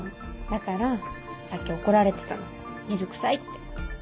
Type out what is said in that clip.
だからさっき怒られてたの水くさいって。